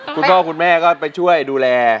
คุณพ่อคุณแม่ก็ไปช่วยดูแล